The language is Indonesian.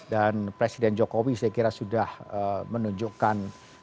dan presiden jokowi saya kira sudah menunjukkan